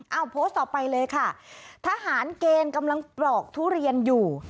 เอาโพสต์ต่อไปเลยค่ะทหารเกณฑ์กำลังปลอกทุเรียนอยู่